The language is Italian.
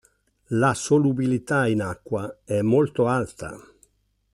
La solubilità in acqua è molto alta.